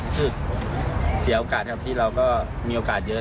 คือเสียโอกาสครับที่เราก็มีโอกาสเยอะ